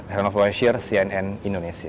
helan wawasir cnn indonesia